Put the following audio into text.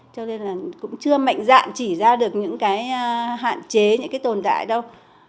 cho nên là cũng chưa mạnh dạn chỉ ra được những cái hạn chế những cái tồn tại đâu